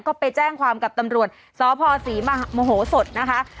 ก็ไปแจ้งความกับตำรวจซ้าพอ๋ศีมโหโสตนะครับ